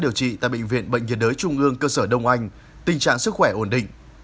điều trị tại bệnh viện bệnh nhiệt đới trung ương cơ sở đông anh tình trạng sức khỏe ổn định